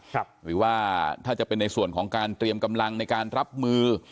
หรือว่าถ้าจะเป็นในส่วนของการเตรียมกำลังในการรับมือ